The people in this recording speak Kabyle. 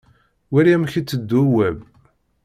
Wali amek i iteddu Web.